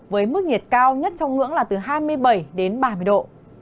với mức nhiệt cao nhất trong ngưỡng là từ hai mươi bảy đến ba mươi độ